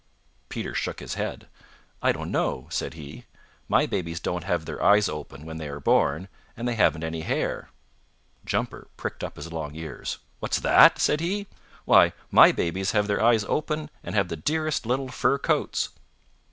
Peter shook his head. "I don't know," said he. "My babies don't have their eyes open when they are born, and they haven't any hair." Jumper pricked up his long ears. "What's that?" said he. "Why, my babies have their eyes open and have the dearest little fur coats!"